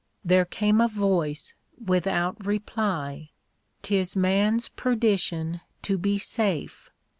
There came a voice without reply :—" 'Tis man's perdition to be safe.